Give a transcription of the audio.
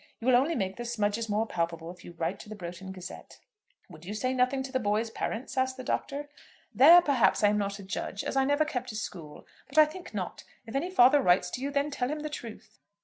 You will only make the smudges more palpable if you write to the 'Broughton Gazette."' "Would you say nothing to the boys' parents?" asked the Doctor. "There, perhaps, I am not a judge, as I never kept a school; but I think not. If any father writes to you, then tell him the truth."